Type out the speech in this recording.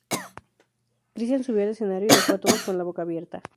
Christian subió al escenario y dejó a todos con la boca abierta.